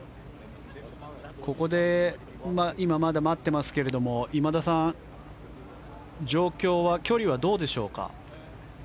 ここで今、まだ待ってますが今田さん状況、距離はどうでしょうか？